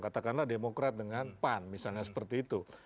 katakanlah demokrat dengan pan misalnya seperti itu